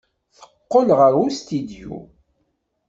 Teqqel ɣer ustidyu.